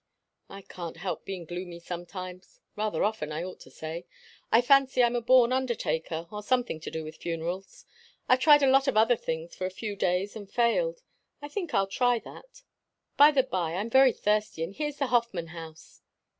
"I can't help being gloomy sometimes rather often, I ought to say. I fancy I'm a born undertaker, or something to do with funerals. I've tried a lot of other things for a few days and failed I think I'll try that. By the by, I'm very thirsty and here's the Hoffman House."